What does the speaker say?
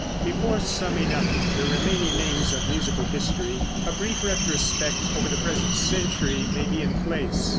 Before summing up the remaining names of musical history, a brief retrospect over the present century may be in place.